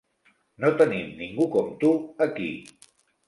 No tenim ningú com tu aquí.